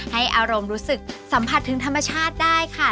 ให้อารมณ์รู้สึกสัมผัสถึงธรรมชาติได้ค่ะ